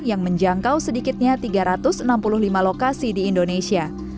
yang menjangkau sedikitnya tiga ratus enam puluh lima lokasi di indonesia